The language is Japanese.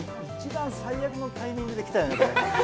１番最悪のタイミングできたよね、これ。